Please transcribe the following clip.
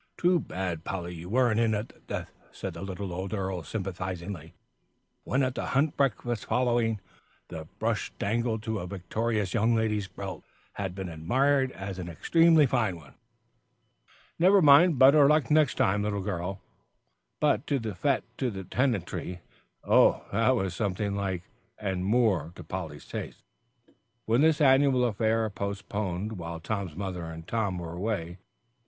"Too bad, Polly, you weren't in at the death," said the little old earl, sympathisingly, when at the hunt breakfast following, the brush dangling to a victorious young lady's belt, had been admired as an extremely fine one. "Never mind; better luck next time, little girl." But the fête to the tenantry, oh! that was something like, and more to Polly's taste, when this annual affair, postponed while Tom's mother and Tom were away, took place.